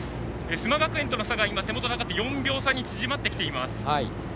須磨学園との差が４秒差に縮まってきています。